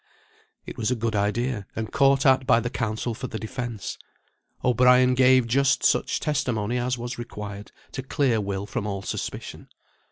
It was a good idea, and caught at by the counsel for the defence. O'Brien gave just such testimony as was required to clear Will from all suspicion.